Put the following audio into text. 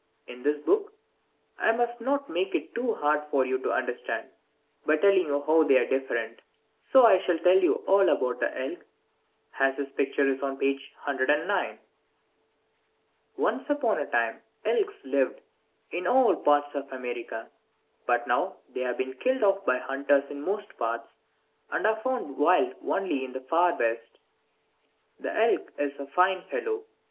In this book I must not make it too hard for you to understand, by telling you how they are different. So I shall tell you all about the elk, as his picture is on page 109. Once upon a time elks lived in all parts of America, but now they have been killed off by hunters in most parts, and are found wild only in the Far West. The elk is a fine fellow.